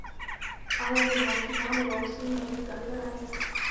ایا د ماشومانو واکسین مو پوره کړی؟